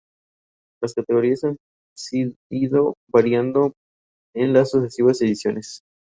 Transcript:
Al principio Jean Marais había pensado en una cabeza de ciervo.